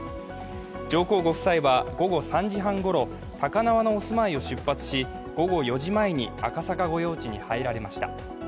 上皇ご夫妻は午後３時半ごろ、高輪のお住まいを出発し、午後４時前に赤坂御用地に入られました。